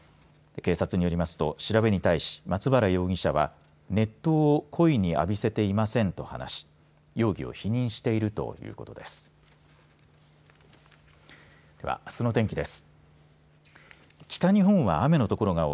警察によりますと、調べに対し松原容疑者は熱湯を故意に浴びせていませんと話し容疑を否認しているということです。